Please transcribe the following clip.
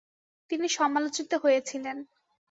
তিনি সমালোচিত হয়েছিলেন।